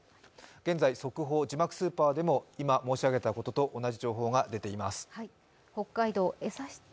現在、速報、字幕スーパーでも今申し上げたことと同じ情報が出ています。